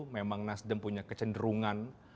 memang nasdem punya kecenderungan